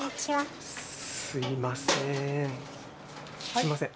すいません。